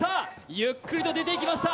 ゆっくりと出ていきました。